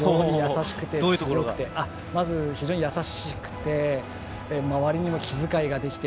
まず、非常に優しくて周りにも気遣いができて。